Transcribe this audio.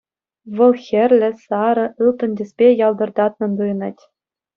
Вӑл хӗрлӗ, сарӑ, ылтӑн тӗспе ялтӑртатнӑн туйӑнать.